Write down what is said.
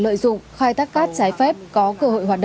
có hành vi khai thác cát